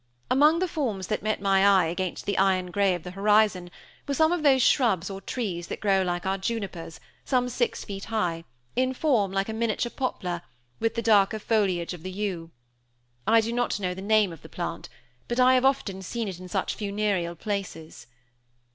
Among the forms that met my eye against the iron grey of the horizon, were some of those shrubs or trees that grow like our junipers, some six feet high, in form like a miniature poplar, with the darker foliage of the yew. I do not know the name of the plant, but I have often seen it in such funereal places.